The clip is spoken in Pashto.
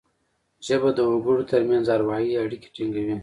ژبه د وګړو ترمنځ اروايي اړیکي ټینګوي